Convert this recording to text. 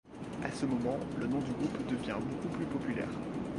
À ce moment, le nom du groupe devient beaucoup plus populaire.